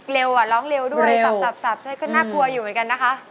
อ่ะร้องเร็วด้วยสับฉันก็น่ากลัวอยู่เหมือนกันนะคะ